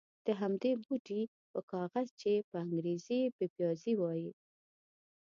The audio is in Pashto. د همدې بوټي په کاغذ چې په انګرېزي پپیازي وایي.